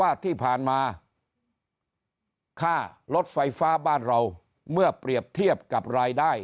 ว่าที่ผ่านมาค่ารถไฟฟ้าบ้านเราเมื่อเปรียบเทียบกับรายได้